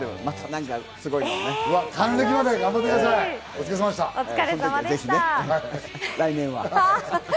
ぜひ来年は。